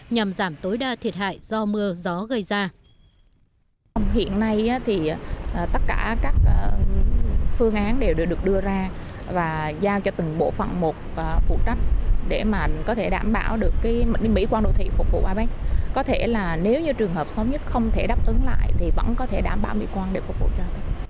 nhằm giảm tối đa thiệt hại do mưa gió gây ra